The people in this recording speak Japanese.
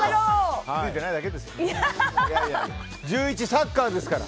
１１、サッカーですから。